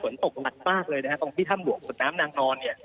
วันนี้ก็มีฝนตกหมดมากตรงที่ถ้ำหลวงด้านน้ำนางนอน